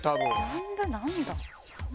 ジャンルなんだ？